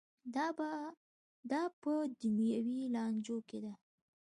دا په دنیوي لانجو کې ده.